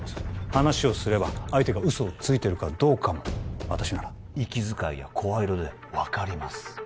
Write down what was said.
話をすれば相手が嘘をついてるかどうかも私なら息遣いや声色で分かります